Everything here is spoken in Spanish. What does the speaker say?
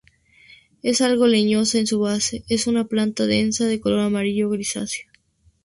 Es algo leñosa en su base.Es una planta densa de color amarillo-grisaceo.